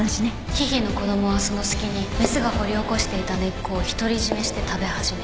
ヒヒの子供はその隙にメスが掘り起こしていた根っこを独り占めして食べ始めた。